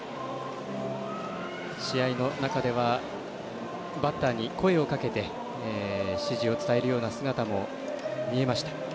試合の中ではバッターに声をかけて指示を伝えるような姿も見えました。